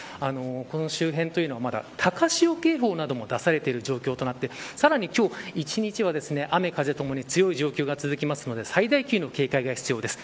この周辺というのはまだ高潮警報なども出されている状況となってさらに今日一日は雨、風ともに強い状況が続きますので最大級の警戒が必要です。